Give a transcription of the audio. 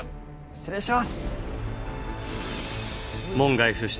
失礼します。